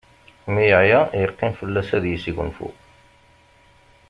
Mi yeɛya yeqqim fell-as ad yesgunfu.